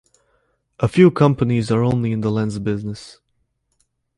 A few companies are only in the lens business.